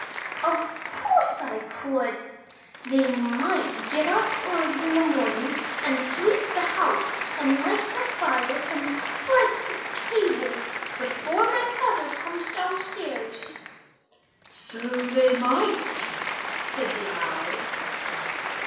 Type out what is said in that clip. "Of course I could. They might get up early in the morning and sweep the house, and light the fire, and spread the table before my father comes downstairs." "So they might!" said the Owl.